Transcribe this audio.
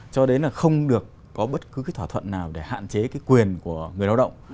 cho đến là không được có bất cứ cái thỏa thuận nào để hạn chế cái quyền của người lao động